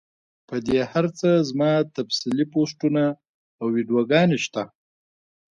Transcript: پۀ دې هر څۀ زما تفصیلي پوسټونه او ويډيوګانې شته